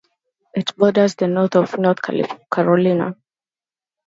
It borders the state of North Carolina.